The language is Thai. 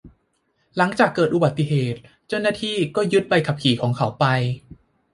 หลังจากเกิดอุบัติเหตุ เจ้าหน้าที่ก็ยึดใบขับขี่ของเขาไป